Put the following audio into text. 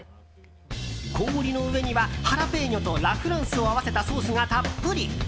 氷の上にはハラペーニョとラ・フランスを合わせたソースがたっぷり。